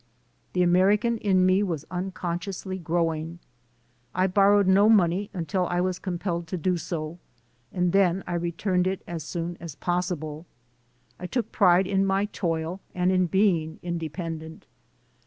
The American in me was unconsciously growing. I borrowed no money until I was compelled to do so, and then I re turned it as soon as possible. I took pride in my toil and in being independent.